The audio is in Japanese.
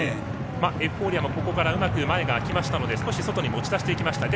エフフォーリアもここからうまく前が空きましたので少し外に持ち出していきました。